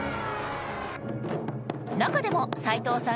中でも斎藤さん